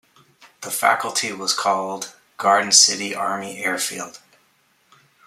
The facility was called Garden City Army Airfield.